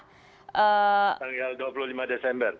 tanggal dua puluh lima desember